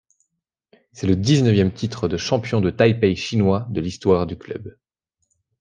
C'est le dix-neuvième titre de champion de Taipei chinois de l'histoire du club.